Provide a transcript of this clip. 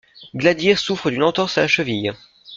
Gladyr souffre d'une entorse à la cheville.